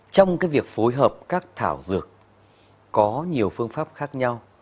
trong việc phối hợp các thảo dược có nhiều phương pháp khác nhau